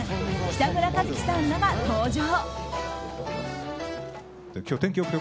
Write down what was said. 北村一輝さんらが登場。